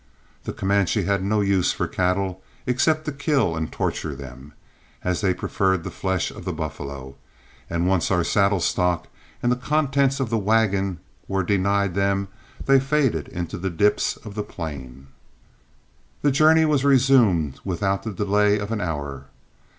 The Comanches had no use for cattle, except to kill and torture them, as they preferred the flesh of the buffalo, and once our saddle stock and the contents of the wagon were denied them, they faded into the dips of the plain. The journey was resumed without the delay of an hour.